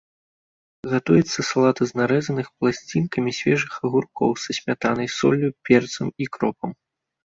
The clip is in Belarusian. Гатуецца салата з нарэзаных пласцінкамі свежых агуркоў са смятанай, соллю, перцам і кропам.